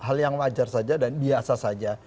hal yang wajar saja dan biasa saja